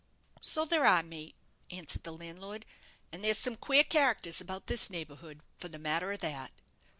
"So there are, mate," answered the landlord; "and there's some queer characters about this neighbourhood, for the matter of that."